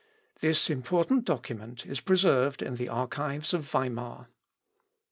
This important document is preserved in the archives of Weimar.